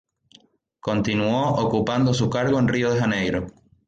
Continuó ocupando su cargo en Río de Janeiro.